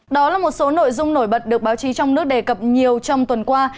đó là một số nội dung nổi bật được báo chí trong nước đề cập nhiều trong tuần qua